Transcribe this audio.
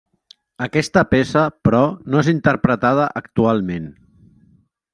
Aquesta peça però, no és interpretada actualment.